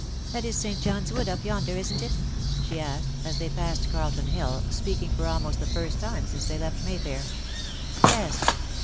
''That is St. John's Wood up yonder, isn't it?'' she asked, as they passed Carlton Hill, speaking for almost the first time since they left Mayfair. '' Yes."